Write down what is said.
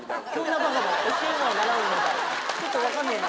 ちょっと分かんねぇな。